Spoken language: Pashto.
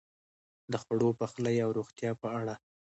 د خوړو، پخلی او روغتیا په اړه: